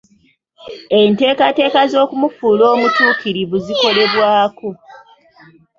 Enteekateeka z'okumufuula omutuukirivu zikolebwako.